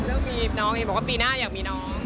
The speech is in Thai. น้องเห็นบอกว่าปีหน้าอยากมีน้อง